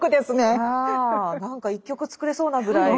何か一曲作れそうなぐらい。